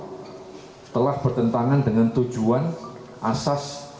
dan telah bertentangan dengan tujuan asas